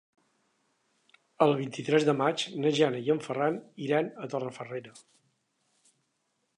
El vint-i-tres de maig na Jana i en Ferran iran a Torrefarrera.